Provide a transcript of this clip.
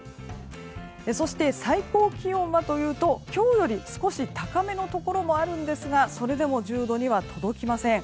そして最高気温はというと今日より少し高めのところもあるんですがそれでも１０度には届きません。